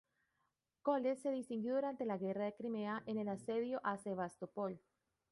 Coles se distinguió durante la Guerra de Crimea en el asedio a Sebastopol.